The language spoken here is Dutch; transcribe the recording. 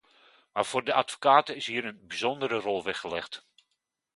Maar voor de advocaten is hier een bijzondere rol weggelegd.